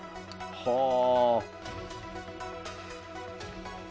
はあ！